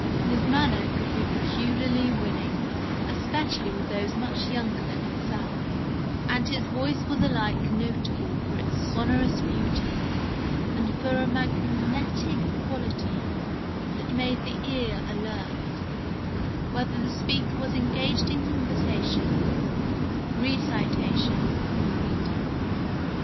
His manner could be peculiarly winning, especially with those much younger than himself, and his voice was alike notable for its sonorous beauty and for a magnetic quality that made the ear alert, whether the speaker was engaged in conversation, recitation, or reading.